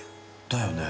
だよね？